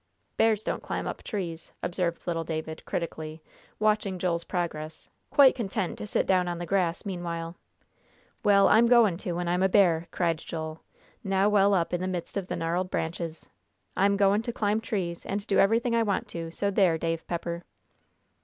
"Bears don't climb up trees," observed little David, critically, watching Joel's progress, quite content to sit down on the grass meanwhile. "Well, I'm goin' to, when I'm a bear," cried Joel, now well up in the midst of the gnarled branches. "I'm goin' to climb trees, and do everything I want to, so there, Dave Pepper!"